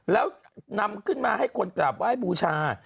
แล้วนำขึ้นมาให้คนกราบไหว้บูชา